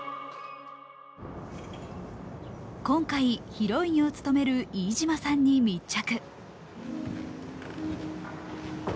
今回ヒロインを務める飯島さんに密着。